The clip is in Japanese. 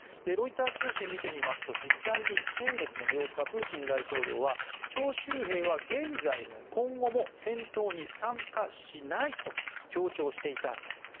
ロイター通信を見てみますと実際に先月８日プーチン大統領は、徴集兵は現在も今後も戦闘に参加しないと強調していたんです。